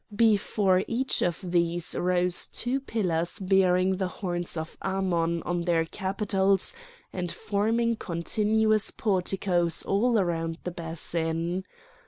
Before each of these rose two pillars bearing the horns of Ammon on their capitals and forming continuous porticoes all round the basin.